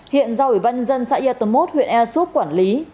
hiện giao ủy văn dân xã yatomot huyện easup quản lý